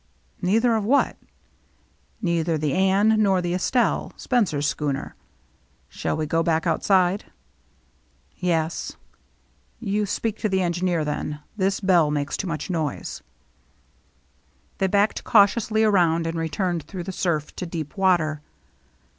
'* "Neither of what.?" " Neither the Anne nor the Estelky Spencer's schooner. Shall we go back outside ?" 244 THE MERRr ANNE "Yes." "You speak to the engineer, then. This bell makes too much noise." They backed cautiously around and returned through the surf to deep water.